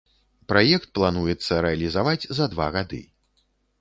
Праект плануецца рэалізаваць за два гады.